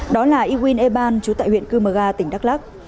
đó là ywin eban chú tại huyện cư mờ ga tỉnh đắk lắc